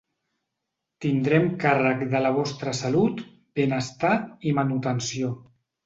Tindrem càrrec de la vostra salut, benestar i manutenció.